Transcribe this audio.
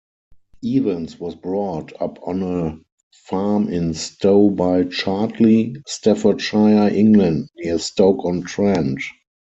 Evans was brought up on a farm in Stowe-by-Chartley, Staffordshire, England, near Stoke-on-Trent.